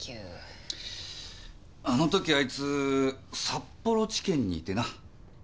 あのときあいつ札幌地検にいてな。